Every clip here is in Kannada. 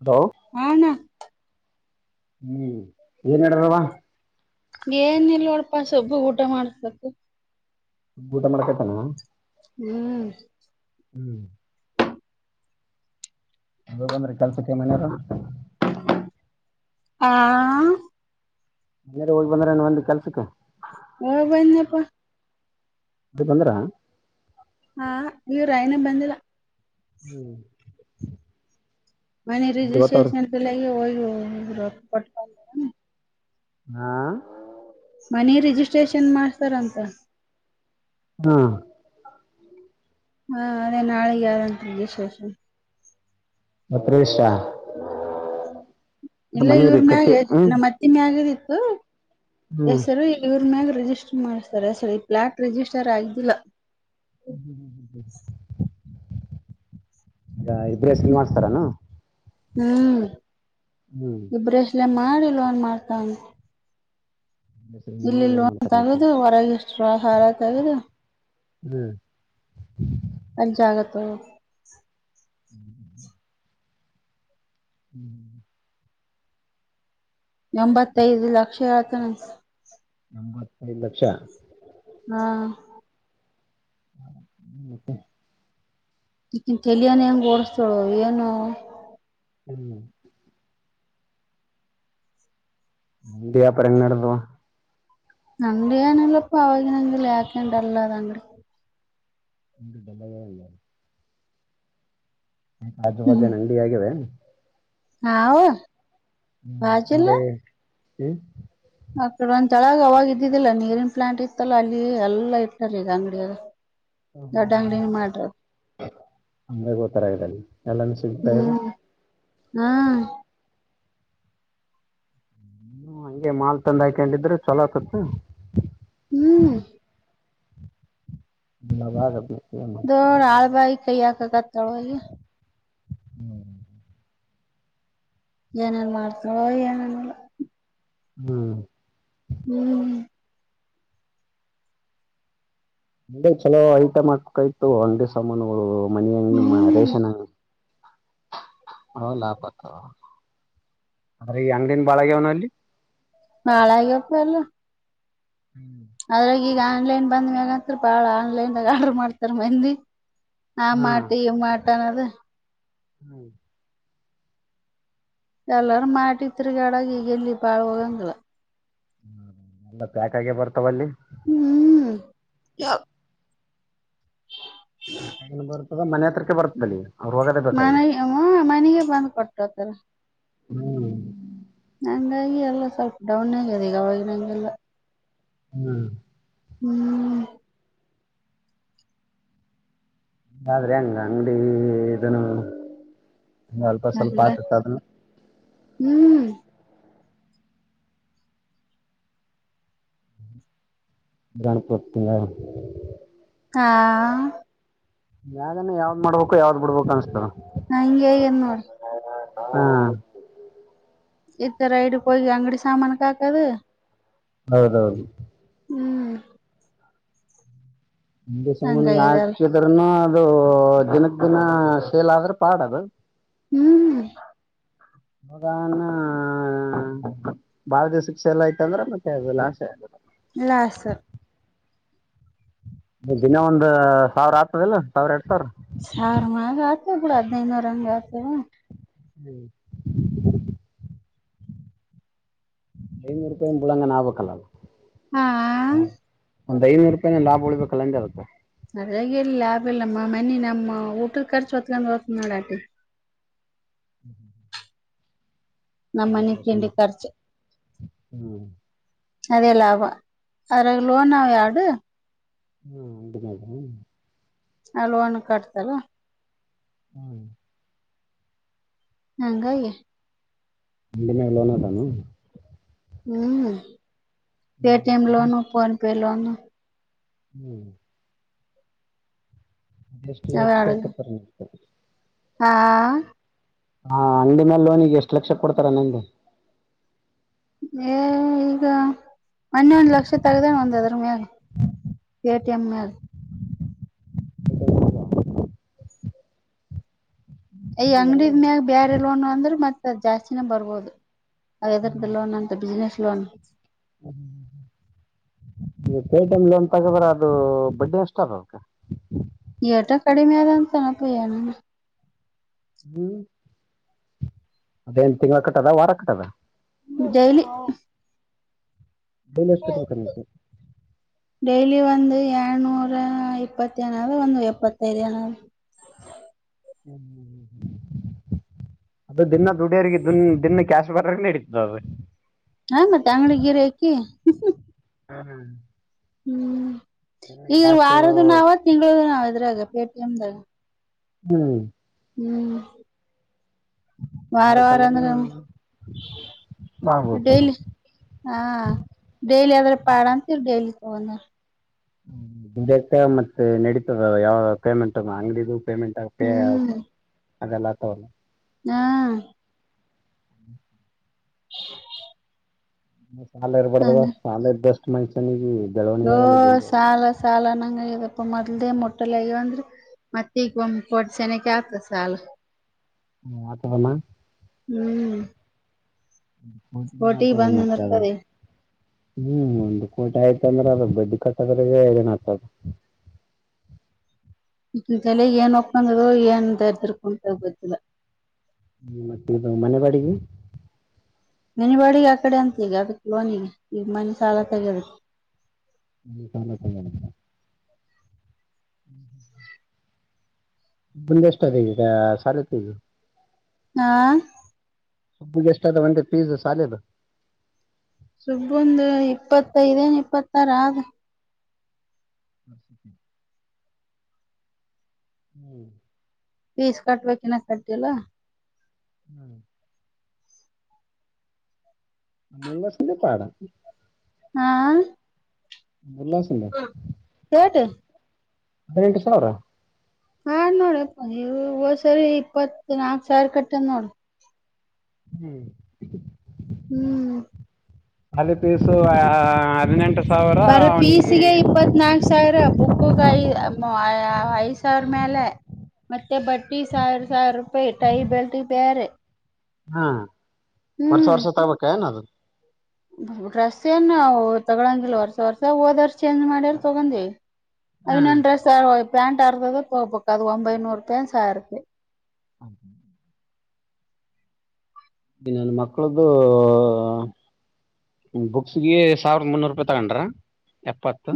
ಹಲೋ ಏನ್ ಹೂ ಏನ್ಡಾರವ ಏನ ಇಿಲ್ಲೋಡಪಾ ಸೊಬ್ಬು ಊಟ ಮಾಡು ಊಟ ಮಾಡಕೈತಾನ ಹೂ ಹೂ ಅ ಬಂದ್ರರಿ ಕಲ್ಪತಿ ಮನೆಯವರು ಹ ಮನ ಹೋಗಿ ಬಂದ್ರೆಏ ಒಂದು ಕೆಲ್ಸಕ್ಕೆ ಹೋಗಿ ಬಾಂಡ್ಯಪಾ ಅದ ಬಂದ್ರ ಹಾ ಇವ್ರುಾಯನ ಬಂದಿಲ್ಲ ಹೂ ಮನೆ ರಿಜಿಸ್ಟ್ರೇಷನ್ ತಲ್ಲ ಹೋಗ ಹಾ ಮನೆ ರಿಜಿಸ್ಟ್ರೇಷನ್ ಮಾಡಸ್ತಾರ ಅಂತ ಹಾ ಹಾ ಅದೇ ನಾಳೆಗೆ ಯಾರಂತ ವಿಶೇಷ ಮ ಪ್ರವೇಶ ಮನ ರೀ ಕಟ್ಟಿ ಹೂ ಇ ಮ್ಯಾಗದ ಇತ್ತು ಹ್ಮ್ ಹೆಸರು ಇವ್ರ ಮ್ಯಾಗ ರಿಜಿಸ್ಟರ್ ಮಾಡ್ತಾರೆ ಸರಿ ಫ್ಲಾಟ್ ರಿಜಿಸ್ಟರ್ ಆಗಿಲ್ಲ ಈಗ ಇಬ್ಬರು ಹೆಸಲ್ ಮಾಡ್ಸ್ತಾರೇನು ಹೂ ಇಬ್ರಷ್ಟಲೆೇ ಮಾಡಿಲ್ನ್ ಮಾಡ್ತ ಲೋನ್ ಇಲ್ಲಿಲ್ಲ ಮಾಡ್ತಾರಂತೆ ತಗೋದು ಹೊರಗೆ ಎಷ್ಟು ಹಾರ ತಗದು ಹೂ ಅಂಜಾಗತ್ತು ಹೂ ಹೂ ಎಂಬತ್ತೈದು ಲಕ್ಷ ಹೇಳ್ತನ ನಮತ್ತೈದು್ ಲಕ್ಷ ಹಾ ಹ ಹೂ ತ್ತೆ ತಲೆ ಹೆಂಗ್ ಹೊಡ್ತಾಳೋ ಏನೋ ಹೂ ವ್ಯಾಪಾರ ಹೆಂಗ್ ನಡ್ದುವ ನಂದು ಏನು ಇಲ್ಲಪ್ಪಾ ಅವಗಿನಂಗೆ ಹೂ ದಂಬಲ್ಲ ಆು ಬಜೆ ನಂಡಿ ಆಗಿದೆ ಹಾವು ಹೂ ಅ ಹೂ ಆ ಕಡೆ ಒಂದ ತಳಗ ಅವಾಗ ಇದ್ದಿದ್ದಿಲ್ಲಾ ನೀರಿನ ಪ್ಲಾಂಟ್ ಇತ್ತಲ್ಲ ಅಲ್ಲಿ ಎಲ್ಲಾ ಇಟ್ಟಾರೆ ಈಗ ಅಂಗಡಿಯಾಗ [inaudible] ಹೂ ಹೂ ದೊಡ್ಡ ಅಂಗಡಿನ ಮಾಡ್ರ ಹಂಗ ಗೋತ್ತರ ಇಲ್ಲ ಎಲ್ಲಾನ ಸಿಗ್ತಾ ಇದೆ ಹ್ಮ್ ಹಾ ಹ ಹಂಗೆ ಮಾಲ್ ತಂದ್ ಹಾಕೊಂಡಿದ್ರರು ಚೊಲೋ ಆಗ್ತಿತ್ತು ಹೂ ಅವಾಗ ಬಿಡ್ತೀನಿ ದೊಡ್ ಆಳ್ಬಾಯಿ ಕೈ ಯಾಕ ಆಕತ್ತಳ ಹೂ ಏನೇನ್ ಮಾಡ್ತಾರೋ ಏನನ್ ಇಲ್ಲೋ ಹೂ ಹೂ ಅ ಚಲೋ ಐಟ್ ಹಾಕಾಯ್ತು ಅಂಗಡಿ ಸಾಮಾನು ಮನೆ ಹೆಂಗ್ ಹ್ಮ್ ಪೇಶ ಹ ಲಾಭತ್ತು ಅದ್ರ ಈ ಅಂಗಡಿನ ಬಾಳಗ್ಯವನ ಅಲ್ಲಿ ಹಾಳು ಅಗೆತಿ ಎಲ್ಲ ಹೂ ಅದ್ರಾಗ ಈಗ ಆನ್ಲೈನ್ ಬಂದ ಮ್ಯಾಗತ್ತ್ರ ಬಾಳ ಆನ್ಲೈನ್ಾಗ ಆರ್ಡರ್ ಮಾಡ್ತಾರ ಮಂದಿ ಆ ಹಾ ಮಾಟ ಈ ಮಾಟ ಅನ್ನೋದ ಹೂ ಎಲ್ಲಾರ ಮಾಡಿತ್ರಿಗ ಅಡಗ ಈಗೆ ಎಲ್ಲಿ ಬಾಳ ಹೋಗಂಗಿಲ್ಲ ಹ ಎಲ್ಲ ಪ್ಯಾಕ್ ಆಗೆ ಬರ್ತಾವಲ್ಲಿ ಹೂ ಯ ಬರ್ತದ ಮನೆ ಹತ್ರಕ್ಕೆ ಬರ್ದಲಿ ಅವ್ರು ಹೋಗದೇ ಬೇಕಾಗಿಲ್ಲ ಮ್ಮ ಮನೆಗೆ ಬಂದ್ ಕೊಟ್ಟತ್ತಲ್ಲ ಹೂ ನಂಗಾಗಿ ಎಲ್ಲ ಸ್ವಲ್ಪ ಡೌನ್ ಆಗಿದೆ ಈಗ ಅವಗಿ ನಂಗಿಲ್ಲ ಹೂ ಹೂ ದ್ರೆ ಹಂಗ ಅಂಗಡಿ ಇದನು ಅಲ್ಪ ಸ್ವಲ್ಪ ಆತತ್ ಅದನ್ನು ಹೂ ಗಣಪತಿಂಗ ಹಾ ಯಾಗಾನ ಯಾವ್ದ್ ಮಾಡ್ಬೇಕು ಯಾವ್ದ್ ಬಿಡ್ಬು ಅನ್ಸ್ತಾರ ನಾ ಹಂಗೆ ಏನ್ ನೋಡಿ ಹಾ ಇತ್ತ ರೈಡ್ ಹೋಗಿ ಅಂಗಡಿ ಸಾಮಾನು ಹಾಕದು ಹೌದೌದು ಹೂ ಅಂಡಿ ಸಾಮನ್ಗೆ ಹಂಗಾಗ್ಯದ ಎಲ್ಲ ಹಾಕಿದ್ರನು ಅದು ದಿನಕ್ ದಿನ ಸೇಲ್ ಆದ್ರೆ ಪಾಡ ಅದು ಹೂ ಹದಾಹಣ ಬಾಳ್ದ ಶಿಕ್ಷೆ ಎಲ್ಲ ಇಐತ ಅಂದ್ರೆ ಮತ್ತೆ ಅದೆಲ್ಲ ಆಶೆ ಆಲ್ಲ ಲಾಸ್ ದಿನ ಒಂದ್ ಸಾವಿರ ಆಗ್ತದಲ್ಲ ಸಾವಿರ ಎರಡ್ ಸಾವಿರ ಸಾರು ಮಗತ ಬಿಡು ಹೆಡ್ನೆಟು ನೂರು ಆಗ್ತದ ಹೂ ಐನೂರು ರೂಪಾಯಿಂಬಳಂಗ ನಾಭಕ್ಕಲ್ಲ ಹಾ ಹ ಒಂದ ಐನೂರು ರೂಪಾಯ ನ ಲಾಬ್ ಉಳ್ಬೇಕ ಅಂದೆಲ್ಲ ಅದಾಗಿಲ್ಲಿ ಲಾಭ ಇಲ್ಲಮ್ಮ ಮನಿ ನಮ್ಮ ಊಟದ ಖರ್ಚು ಹೊತ್ಕೊಂಡ್ ಹೋಗ್ತ ನೋಡಾಟಿ ಹೂ ಹೂ ನಮ್ಮಮ್ಮನೆ ತಿಂಡಿ ಹ್ಮ್ ಕರ್ಚ ಅದೇ ಲಾಭ ಅದ್ರಾಗ ಲೋನ್ ಎಲ್ಡು ಹೂ ಮ ಅಲ್ ಒನ್ ಕಟ್ತಾರ ಹೂ ಅಂಗಾಗಿ ನಿಂದು ಲೋನ್ ಅದೇನು ಹೂ ಪೇಟಿಎಂ ಲೋನು ಫೋನ್ಪೇ ಲೋನು ಹೂ ಷ್ಟ ಲಕ್ಷ ಕೊತಾರೆ ಹಾ ಹಾ ಅಂಗಡಿ ಮೇಲ್ ಲೋನಿಗೆ ಎಷ್ಟು ಲಕ್ಷ ಕೊಡ್ತಾರ ಅಂದೆ ಏ ಈಗ ಒನ್ನೊಂದ್ ಲಕ್ಷ ತಗ್ದಣ ಒಂದ್ ಅದ್ರ ಮ್ಯಾಲ ಪೇಟಿಎಂ ಮ್ಯಾಗ ಐಯ ಹಂಗಾರ ಅಂಗಡಿದ ಮ್ಯಾಗ ಬೇರೆ ಲೋನ್ ಅಂದ್ರೆ ಮತ್ತತ್ ಅ್ ಜಾಸ್ತಿನ ಬರ್ಬೋದು ಆದ್ರದೇ ಲೋನ್ ಅಂತ ಬಿಸ್ನೆಸ್ ಲೋನ್ ನೀ ೇಟಮ್ ಒನ್ ತಗದ್ರ ಅದು ಬಡ್ಡಿ ಅಷ್ಟಾರಕ ಏಟಾ ಕಡಿಮೆಯಾದ ತೆನಪ ಹೂ ಅದೇನ್ ತಿಂಗಳ ಕಟ್ಟದ ವಾರ ಕಟ್ಟದ ಡೈಲಿ ಡೈಲಿ ಅಷ್ಟೇ ತಿಳ್ಕೋಬೇಕು ಡೈಲಿ ಒಂದು ಎರನೂರ ಇಪ್ಪತ್ತ ನದ ಒಂದು ಎಪ್ಪತ್ತೈದು ಏನಾರ ಹೂ ಹೂ ಅದು ದಿನ ದುಡಿಯೋರಿಗೆ ದಿನ ಕ್ಯಾಶ್ ಬರ ನಡೀತು ಅದು ಹಾ ಮತ್ತೆ ಅಂಗ್ಡಿ ಗಿರಿ ಹಾಕಿ ಹೂ ಹೂ ಹೂ ಈಗ ಕ್ಯಾಶು ವಾರದ ನಾವ ತಿಂಗಳದು ನಾವ ಇದ್ರಾಗ ಪೇಟಿ ಎಮ್ದಾಗ ಹೂ ಹೂ ವಾರ ವಾರ ಮಾರಕಂದ್ರೆ ಅಂದ್ರ ಮಾಡ್ಬೋದು ಡೇಲಿ ಹಾ ಡೈಲಿ ಆದ್ರೆ ಪಾಡ ಅಂತೀರ್ ಡೈಲಿ ತೊಗೊಂಡ ಬಕ ಮತ್ತೆ ನಡೀತದ ಯಾವ ಪೇಮೆಂಟ್ ಆಂಗ್ಡಿಡು ಪೇಮೆಂಟ್ ಹ್ಮ್ ಅದೆಲ್ಲ ತಗಲ್ಲ ಹಾ ಹ ಸಾಲ ಇರ್ಬಾರಡ್ದ್ ಸಾಲ ಇದ್ದಷ್ಟು ಮನುಷ್ಯನಿಗೆ ಬೆಳವಣಿಗೆ ಆಗಲ್ಲ ಜಲ್ದಿ ಸಾಲ ಸಾಲ ನಂಗ ಇಪ್ಪ ಮೊದ್ದೇ ಮೊಟ್ಟಲ್ಲಗವಂದ್ರ ಮತ್ತ ಈಗ ಒಮ್ಮೆ ಕೋಡ್ ಸೆನಕ್ಕೆ ಆತ ಸಲ್ ಹೂ ಆತರಮ್ಮ ಹೂ ಬಂದ್ ಮತ್ತಾದ ನಿಂದಿರ್ತದ ಈಗ ಹೂ ಒಂದು್ ಕೋಟಿ ಆಯ್ತ ಅಂದ್ರೆ ಅದ ಬಡ್ಡಿ ಕಟ್ಟದ್ರ ಏನ ಆಗ್ತದ ಹೇಳಿನಿ ದೆಲೆ ಏನ್ ಒಕ್ಕಂದ ಏನ್ ದರ್ದರ್ಕಂತ ಗೊತ್ತಿಲ್ಲ ಹೂ ಮತ್ತ ಮನೆ ಬಾಡಿಗಿ ಮೆನ ಬಾಡಿಗೆ ಆ ಕಡೆ ಅಂತ ಈಗ ಅದ ಲೋನಿಗೆ ಈಗ ಮನೆ ಸಾಲ ತಗದ ಇಲ್ಲಿ ಸಾಲ ತಾಗಲ್ಲ ಹೂ ಹ್ ಮುಂದೆ ಎಷ್ಟದೆ ಈಗ ಸಾಲತ್ತದು ನಾ ಸಿಗೆ ಎಷ್ಟ ಅದ ಒಂದೆ ಪೀಸ್ ಸಾಲೆದು ಸುಬ್ಬುಂದ ಇಪ್ಪತ್ತೈದೇನ್ ಇಪ್ಪತ್ತಾರ ಆದ ಒನ್ ಸೆಕೆಂಡ್ ಹೂ ಪೀಸ್ ಬೇಕು ಕಟ್ಟಿಲ್ಲ ಹೂ ಮೂನ್ ಬಷೆ ಪಾಡಾ ಹಾ ಭಲವಸ ಕೆಟ ಬರಿನೆಂಟು ಸಾವಿರ ಹಾ ನೋಡ್ರಿ ಹದ್ ಸರಿ ಇಪ್ಪತ್ ನಾಕ್ ಸಾವಿರ ಕಟ್ಟ ನೋಡ್ ಹೂ ಹೂ ಅಾಲ ಪೀಸು ಹದಿನನೆೆಂಟು ಸಾವಿರ ಅವನಿಗೆ ಇಪ್ಪತ್ತ್ನಾಾಲ್ಕು ಸಾವಿರ ಬುಕ್ಕಕ್ ಐ ಐದ್ ಸಾವಿರ ಮ್ಯಾಲ ಮತ್ತೆ ಬಟ್ಟಿ ಸಾವಿರ ಸಾವಿರ ರೂಪಾಯಿ ಟೈ ಬೆಲ್ಟ್ ಬೇರೆ ಹ ವರ್ಷ ವರ್ಷ ತಗಬೇಕ ಏನು ಡ್ರಸ್ ಏನು ತಗೊಳಂಗಿಲ್ಲ ವರ್ಸ ವರ್ಸ ಹೋದರ್ಸ ಚೇಂಜ್ ಮಾಡ್ಯಾರ ತಗೊಂಡಿ ಹಾಂ ಇನ್ನೊಂದು ಡ್ರೆಸ್ ಸ ಪ್ಯಾಂಟ್ ಆರ್ತದ ಪಕ್ಕ ಅದು ಒಂಬೈನೂರು ಏನ ಸವಿರುಪಾಯಿ ಸರ್ ಹೌ ನನ್ನ ಮಕ್ಕಳ್ದು ಬುಕ್ಸ್ಗೆ ಸಾವಿರದ ಮುನ್ನೂರು ರೂಪಾಯಿ ತಗೊಂಡ್ರ ಎಪ್ಪತ್ತು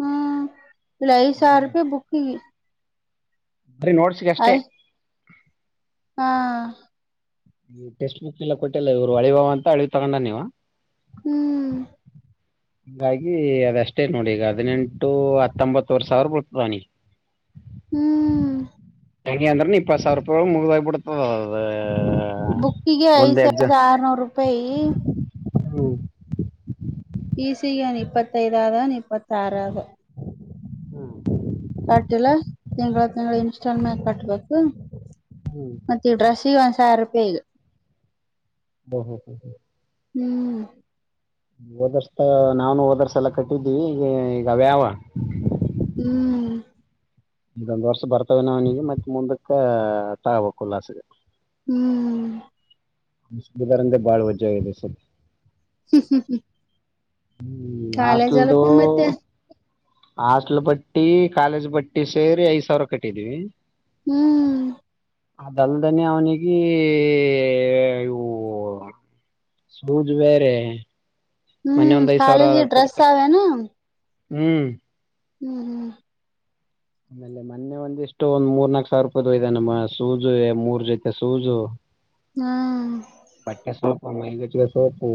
ಹೂ ಲೈ ಸಾರ್ ರಪ ಬುಕ್ಿಗೆ ಬರೀ ನೋಡ್ಸಕ್ ಅಷ್ಟೇ ಐ ಹಾ ಟೆಸ್ಟ್ ಬುಕ್ ಎಲ್ಲ ಕೊಟ್ಟಿಲ್ಲಲ್ಲ ಇವರು ಅಳಿವವ ಅಂತ ಅಳಿ ತಗೊಂಡ ನೀವ ಹೂ ಹೀಾಗಿ ಅದಷ್ಟೇ ನೋಡಿ ಈಗ ಹದಿನೆಂಟು ಹತ್ತೊಂಬತ್ತುವರೆ ಸಾವಿರ ಬರ್ತದಾನಿಗೆ ಹೂ ಯಾ ಅಂದ್ರೆ ಇಪ್ಪತ್ತು ಸಾವಿರ ರೂಪಾಯಿಳ ಮುಗಿದ್ ಬಿಡ್ತದ ಅದು ಬುಕ್ಕಿಗೆ ಐದ್ ಮುಂದೆ ಎಕ್ಜಾ ಸಾವಿರದ ಆರ್ನೂರು ರೂಪಾಯಿ ಈಸಿಗೆನ್ ಇಪ್ಪತ್ತೈದ ಆದನ್ ಇಪ್ಪತ್ತ ಆಾರ ಆದ ಹಾ ಕಟ್ಟಿಲ್ಲ ತಿಂಗಳ ತಿಂಗಳ ಇನ್ಸ್ಟಾಲ್ ಮೇಲ್ ಕಟ್ಬೇಕು ಮತ್ತ ಈ ಡ್ರಸ್ಸಗ ಒಂದ ಸಾವಿರ ರೂಪಾಯಿಗ ಹ ಹ ಹ ಹ್ ಹೂ ಓದರ್ಸತ ನಾವು ಓದರ್ಸ ಎಲ್ಲ ಕಟ್ಟಿದ್ದೀವಿ ಈಗ ಈಗ ವ್ಯಾವ ಹೂ ಇದೊಂದ್ ವರ್ಷ ಬರ್ತವೆ ನವನಿಗೆ ಮತ್ತೆ ಮುಂದಕ್ಕ ತಗ ಉಲ್ಲಾಸಗ ಹೂ ಂದ ಬಾಳ್ ವಜ್ಜದೆ ಸ ಹೂ ಹೂ ಹೂ ಹೂ ಹೂ ಹಾಸ್ಟಲ್ದು ಅಲ್ಲಪು ಮತ್ತೆ ಹಾಸ್ಟಲ್ ಬಟ್ಟಿ ಕಾಲೇಜ್ ಬಟ್ಟಿ ಸೇರಿ ಐದ್ ಸಾವಿರ ಕಟ್ಟಿದೀವಿ ಹೂ ಅದಲ್ದನೇ ಅವ್ನಿಗೇ ಏ ಅಯ್ಯೋ ಸೂಜ್ ವೇರೆ ಮನೆ ಹ್ಮ್ ಒಂದ್ ಐದ್ ಸಾವಿರ ಕಾಲೇಜಿ ಆದಾಗ್ ಕೊಡ್ತ ಡ್ರೆಸ್ ಅವೇನು ಹ್ಮ್ ಹ್ಮ್ ಹ್ಮ್ ಆಮೇಲೆನ ನನ್ನೆ ಒಂದಿಷ್ಟು ಒಂದ್ ಮೂರ್ ನಾಕ್ ಸಾವಿರ ರೂಪಾಯ್ದ್ ಹೋಯ್ದನ ನಮ್ಮ ಸೂಜು ಮೂರ್ ಜೊತೆ ಸೂಝು ಹ್ಮ್ ಬಟ್ಟೆ ಸೊಪು ಮೈ ಗಚ್ಕ ಸೋಪು.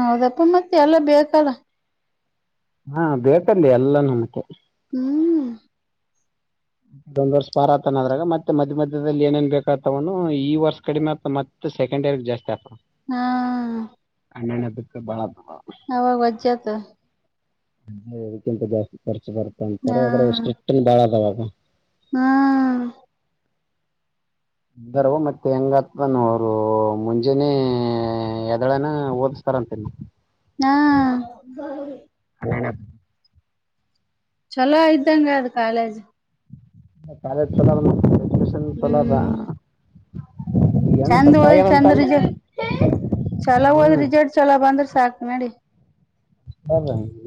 ಹೌದಪ್ಪ ಮತ್ತೆ ಎಲ್ಲ ಬೇಕಲ್ಲ. ಹಾ ಬೇಕಲ್ಲಿ ಎಲ್ಲ ನಮಕೆ ಹ್ಮ್ ಇದೊಂದ್ ವರ್ಷ ಬಾರ ಆತಾನ ಅದ್ರಾಗ ಮತ್ತೆ ಮಧ್ಯ ಮಧ್ಯದಲ್ಲಿ ಏನೇನ್ ಬೇಕಾತವನು ಈ ವರ್ಷ ಕಡಿಮೆ ಆಗ್ತ ಮ ಸೆಕೆಂಡ ಇಯರ್ಗೆ ಜಾಸ್ತಿ ಅಕ್ತರ. ಹಾ ಅಣ್ಣಣ್ಣದಕ್ಕೆ ಬಾಳ ಅದವ ಅವಾಗ್ ವಜ್ಜಾತು ಅದೇ ಇದಕ್ಕಿಂತ ಜಾಸ್ತಿ ಖರ್ಚ್ ಹಾ ಬರ್ತಾವಂತರ ಆದ್ರಾಗ್ ಸ್ಟ್ರಿಕ್ಟ್ ನು ಬಾಳ ಅದಾವದು. ಹ್ಮ್ ಇದ್ ಬರವ್ವ ಮತ್ ಹೆಂಗತ್ತದನ ಅವ್ರು ಮುಂಜಾನೇ ಎದ್ದೇಳನ ಓದಿಸ್ತಾರಂತಿನ್ನು ಹಾ [unintelligible] ಚಲೋ ಇದ್ದಂಗ ಅದ್ ಕಾಲೇಜ್ ಕಾಲೇಜ್ ಚಲೋ [unintelligible] ಚಲೋ ಅದ ಏನು ಚೆಂದ ಸತ್ತ ಓದ್ ಆಗ್ಯದ ಅಂತ ಚೆಂದ ಅಂದ ರಿಜಲ್ ಚಲೋ ಓದ್ ಹ್ಮ್ ರಿಜಲ್ಟ್ ಚಲೋ ಬಂದ್ರ್ ಸಾಕ್ ನಡಿ.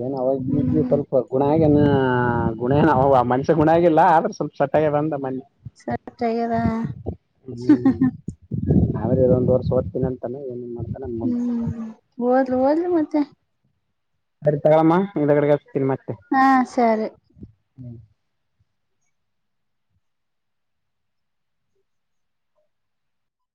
ಏನು ಅವಾಗೀಗ್ ಹ್ಮ್ ಸ್ವಲ್ಪ ಗುಣ ಆಗೇನ ಗುಣ ಏನ್ ಮನ್ಷ್ಯ ಗುಣ ಆಗಿಲ್ಲ ಆದ್ರೆ ಸ್ವಲ್ ಸೆಟ್ ಆಗ್ಯದ್ ಅಂದ ಮನ್ನೆ ಸೆಟ್ ಆಗ್ಯದ ಹ್ಮ್. ಹ್ಮ್ ಹ್ಮ್. ಆದ್ರೆ ಇದ್ ಒಂದ್ ವರ್ಷ ಓದ್ತೀನಿ ಅಂತಾನ ಏನನ್ ಮಾಡ್ತಾನ ಮುನ್ ಹ್ಮ್ ಓದ್ಲು ಓದ್ಲಿ ಮತ್ತೆ ಸರಿ ತಗಳಮ್ಮ ಹಿಂದಗಡೆಗ್ ಹಚ್ತಿನಿ ಮತ್ತೆ. ಹಾ ಸರಿ ಹ್ಮ್